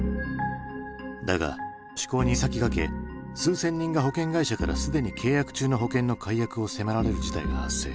だが施行に先駆け数千人が保険会社からすでに契約中の保険の解約を迫られる事態が発生。